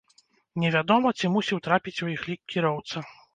Невядома, ці мусіў трапіць у іх лік кіроўца.